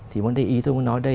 thì vấn đề ý tôi muốn nói đây